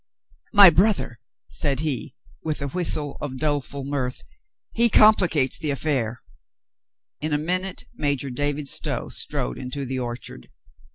"My brother !" said he, with a whistle of doleful mirth. "He complicates the af fair." In a minute Major David Stow strode into the orchard.